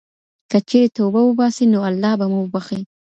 که چېرې توبه وباسئ، نو الله به مو وبښي.